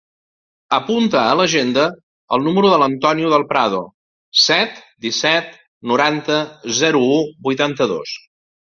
Apunta a l'agenda el número de l'Antonio Del Prado: set, disset, noranta, zero, u, vuitanta-dos.